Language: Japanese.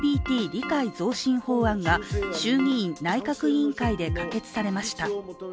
理解増進法案が衆議院内閣委員会で可決されました。